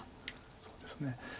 そうですね。